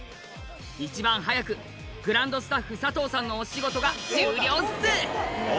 一番早くグランドスタッフ佐藤さんのお仕事が終了っす！